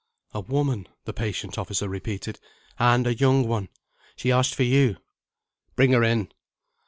"A woman," the patient officer repeated "and a young one. She asked for You." "Bring her in."